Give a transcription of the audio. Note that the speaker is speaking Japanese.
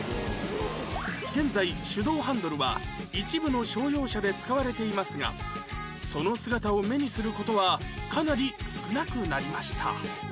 現在手動ハンドルは一部の商用車で使われていますがその姿を目にする事はかなり少なくなりました